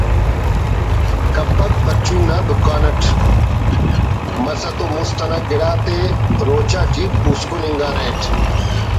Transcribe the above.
کپک پرچون نا دکان اٹ مسہ تو مست انا گڑاتے روچہ ٹی پوسکن انگا ریٹ